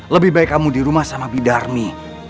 lebih baik kamu di rumah sama bidarmi